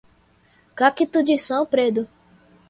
cacto de San Pedro